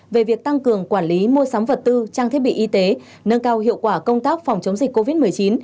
về việc tăng cường quản lý mua sắm vật tư trang thiết bị y tế nâng cao hiệu quả công tác phòng chống dịch covid một mươi chín